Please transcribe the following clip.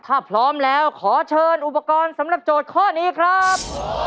ถ้าพร้อมแล้วขอเชิญอุปกรณ์สำหรับโจทย์ข้อนี้ครับ